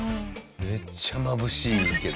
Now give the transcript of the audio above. めっちゃまぶしいけどね。